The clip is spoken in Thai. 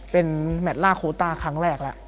เป็นแมทล่าโคต้าครั้งแรกแล้ว